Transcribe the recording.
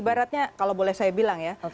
ibaratnya kalau boleh saya bilang ya